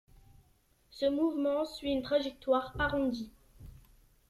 Ce mouvement suit une trajectoire arrondie.